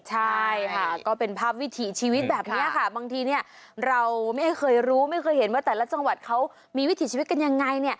ใช่ค่ะก็เป็นภาพวิถีชีวิตแบบนี้ค่ะบางทีเราไม่เคยรู้ไม่เคยเห็นว่าแต่ละจังหวัดเขามีวิถีชีวิตกันยังไง